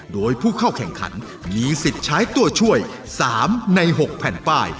โดยผู้เข้าแข่งขันมีสิทธิ์ใช้ตัวช่วย๓ใน๖แผ่นป้าย